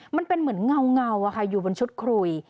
มันเป็นเหมือนเงาอยู่บนชุดคุย